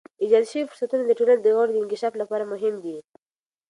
ایجاد شوی فرصتونه د ټولنې د غړو انکشاف لپاره مهم دي.